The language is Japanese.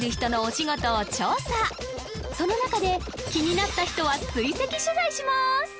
その中で気になった人は追跡取材します！